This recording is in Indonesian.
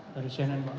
dari cnn pak